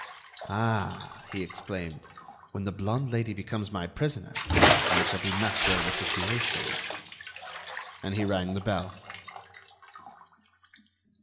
"Ah!" he exclaimed, "when the blonde Lady becomes my prisoner, I shall be master of the situation." And he rang the bell.